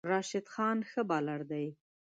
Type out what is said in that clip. راشد خان ښه بالر دی